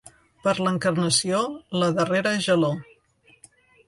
Per l'Encarnació, la darrera gelor.